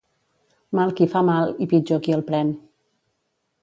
Mal qui fa mal i pitjor qui el pren.